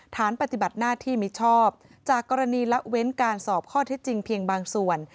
ฐานปฏิบัติหน้าที่มิชอบจากกรณีละเว้นการสอบข้อเท็จจริงเพียงบางส่วน